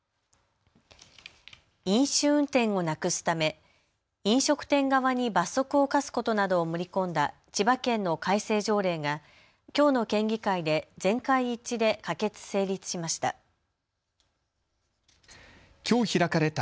飲酒運転をなくすため飲食店側に罰則を科すことなどを盛り込んだ千葉県の改正条例がきょうの県議会で全会一致で可決・成立しました。